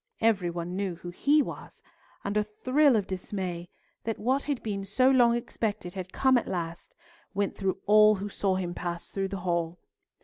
Every one knew who he was, and a thrill of dismay, that what had been so long expected had come at last, went through all who saw him pass through the hall.